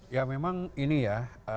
ya memang ini ya